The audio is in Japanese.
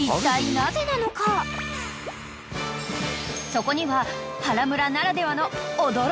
［そこには］